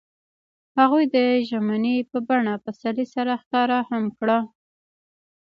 هغوی د ژمنې په بڼه پسرلی سره ښکاره هم کړه.